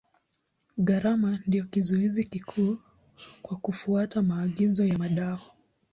Gharama ndio kizuizi kikuu kwa kufuata maagizo ya madawa.